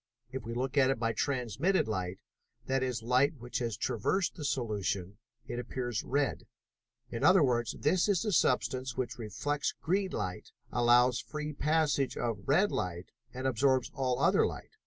If we look at it by transmitted light, that is, light which has traversed the solution, it appears red. In other words, this is a substance which reflects green light, allows a free passage to red light, and absorbs all other light.